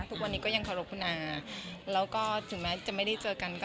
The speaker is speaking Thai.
ทุกวันนี้ก็ยังเคารพนาค์